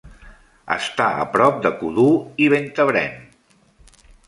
Està a prop de Coudoux i Ventabren.